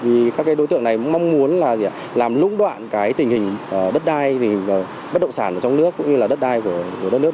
vì các đối tượng này mong muốn làm lũng đoạn tình hình đất đai bất động sản trong nước cũng như đất đai của đất nước